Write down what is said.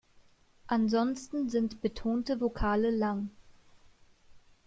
Ansonsten sind betonte Vokale lang.